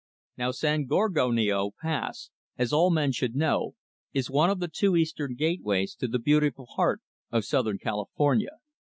Now San Gorgonio Pass as all men should know is one of the two eastern gateways to the beautiful heart of Southern California.